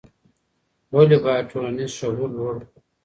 ولې باید ټولنیز شعور لوړ کړو؟